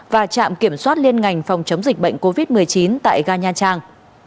và trạm kiểm soát liên ngành phòng chống dịch bệnh covid một mươi chín tại ga nha trang